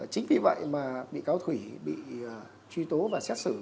chính vì vậy mà bị cáo thủy bị truy tố và xét xử